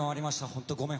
本当ごめん。